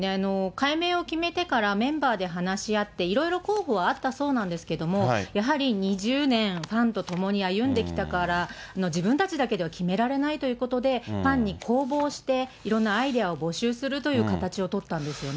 改名を決めてから、メンバーで話し合って、いろいろ候補はあったそうなんですけど、やはり２０年、ファンと共に歩んできたから、自分たちだけでは決められないということで、ファンに公募をして、いろんなアイデアを募集するという形を取ったんですよね。